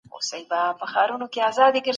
استاد زلمي هېوادمل د څېړني ارزښت بیان کړ.